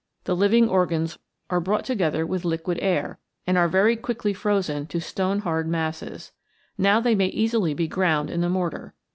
The living organs are brought together with liquid air, and are very quickly frozen to stone hard masses. Now they may easily be ground in the mortar.